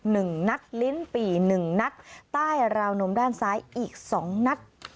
หนึ่งนัดลิ้นปี่หนึ่งนัดใต้ราวนมด้านซ้ายอีกสองนัด